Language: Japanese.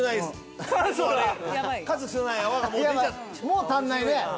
もう足んないね。